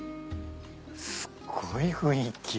すっごい雰囲気。